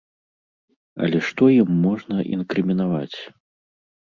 Але што ім можна інкрымінаваць?